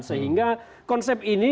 sehingga konsep ini